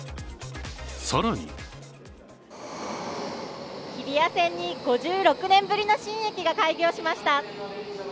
更に日比谷線に５０年ぶりの新駅が開業しました。